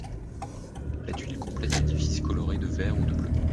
La tuile complète l'édifice, colorée de vert ou de bleu.